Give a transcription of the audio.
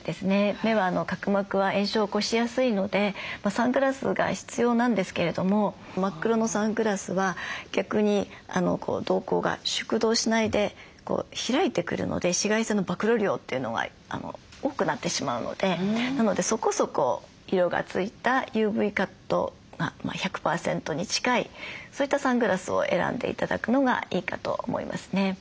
目は角膜は炎症を起こしやすいのでサングラスが必要なんですけれども真っ黒のサングラスは逆に瞳孔が縮瞳しないで開いてくるので紫外線の暴露量というのが多くなってしまうのでなのでそこそこ色が付いたＵＶカットが１００％に近いそういったサングラスを選んで頂くのがいいかと思いますね。